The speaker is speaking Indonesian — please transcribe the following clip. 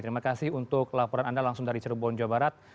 terima kasih untuk laporan anda langsung dari cirebon jawa barat